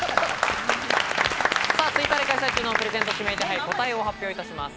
ツイッターで開催中のプレゼント指名手配、答えを発表いたします。